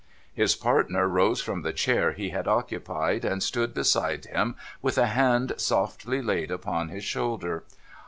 His partner rose from the chair he had occupied, and stood beside him with a hand softly laid upon his shoulder.